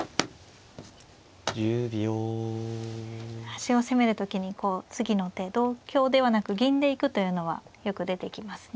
端を攻める時に次の手同香ではなく銀で行くというのはよく出てきますね。